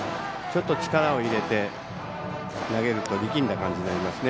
力を入れて投げると力んだ感じになりますね。